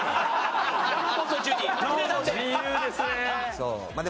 そう。